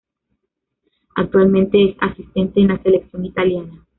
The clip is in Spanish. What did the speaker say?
Actualmente es asistente en la selección italiana.